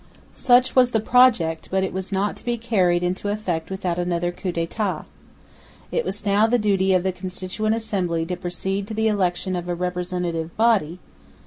Such was the project, but it was not to be carried into effect without another coup d'état. It was now the duty of the Constituent Assembly to proceed to the election of a Representative Body.